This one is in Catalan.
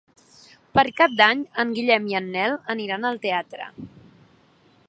Per Cap d'Any en Guillem i en Nel iran al teatre.